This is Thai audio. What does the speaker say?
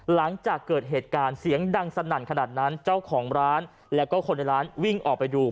หลังจากเกิดเหตุการณ์เสียงดังสนั่นขนาดนั้นเจ้าของร้านแล้วก็คนในร้านวิ่งออกไปดู